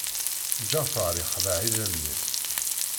Ǧaɛfeṛ ixdeɛ idammen-is.